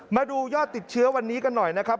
มาดูยอดติดเชื้อวันนี้กันหน่อยนะครับ